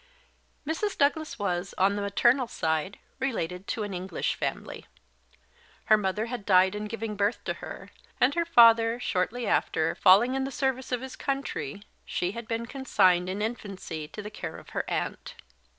MRS. DOUGLAS was, on the maternal side, related to an English family. Her mother had died in giving birth to her; and her father, shortly after, falling in the service of his country, she had been consigned in infancy to the care of her aunt.